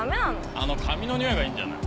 あの紙の匂いがいいんじゃない。